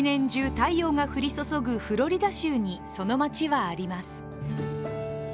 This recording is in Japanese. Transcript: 太陽が降り注ぐフロリダ州に、その町はあります。